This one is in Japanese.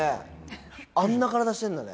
あんな体してるんだね。